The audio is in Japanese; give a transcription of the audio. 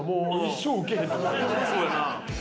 そうやな。